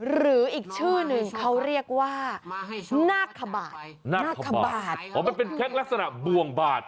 หรืออีกชื่อหนึ่งเขาเรียกว่านาคบาทนาคบาทอ๋อมันเป็นแค่ลักษณะบ่วงบาด